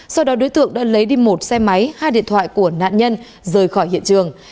sau đó đối tượng đã lấy đi một xe máy hai điện thoại của nạn nhân rời khỏi hiện trường